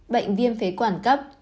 bệnh viêm phế quản cấp